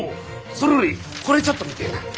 それよりこれちょっと見てえな。